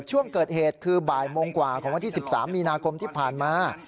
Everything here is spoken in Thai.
ช่วงเกิดเหตุคือบ่ายโมงกว่าของวันที่๑๓มีนาคมที่ผ่านมา